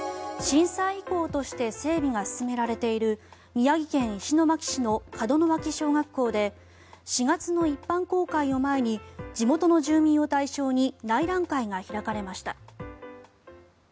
震災遺構として整備が進められている宮城県石巻市の門脇小学校で４月の一般公開を前に地元の住民を対象に内覧会が開かれました。